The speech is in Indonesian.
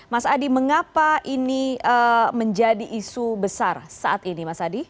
mas adi mengapa ini menjadi isu besar saat ini